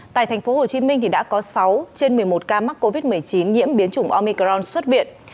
tại thành phố hồ chí minh đã có sáu trên một mươi một ca mắc covid một mươi chín nhiễm biến chủng omicron xuất viện